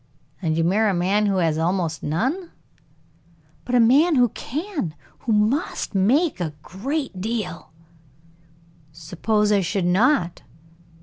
"And you marry a man who has almost none?" "But a man who can, who must, make a great deal." "Suppose I should not?"